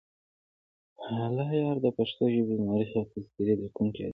الله یار دپښتو ژبې مؤرخ او تذکرې لیکونی ادیب وو.